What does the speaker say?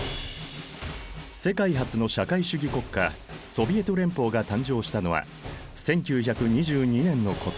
世界初の社会主義国家ソヴィエト連邦が誕生したのは１９２２年のこと。